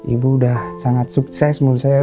ibu sudah sangat sukses menurut saya